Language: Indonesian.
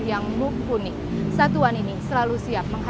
dan peningkatan presentasi dalam pertandingan ke equipment